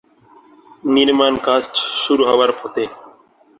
নির্মাণ কাজ শুরু হবার পথে।